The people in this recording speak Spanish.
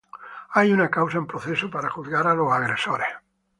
Hay una causa en proceso para juzgar a los agresores.